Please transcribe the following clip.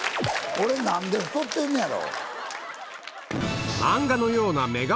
俺何で太ってんねやろ。